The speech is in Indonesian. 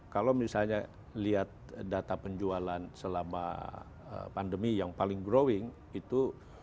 kalau misalnya lihat data penjualan selama pandemi yang paling growing itu